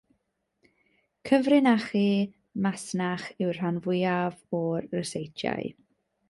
Cyfrinachau masnach yw'r rhan fwyaf o'r ryseitiau.